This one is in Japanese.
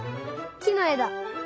きのえだ。